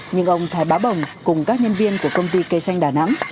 nhưng ông thái bá bồng cùng các nhân viên của công ty cây xanh đà nẵng